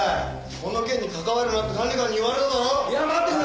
この件に関わるなって管理官に言われただろ？